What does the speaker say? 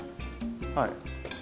はい。